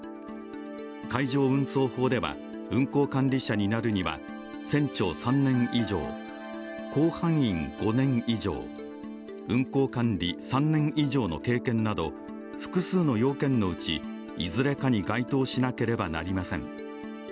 海上運送法では運航管理者になるには船長３年以上、甲板員５年以上、運航管理３年以上の経験など複数の要件のうち、いずれかに該当しなければなりません。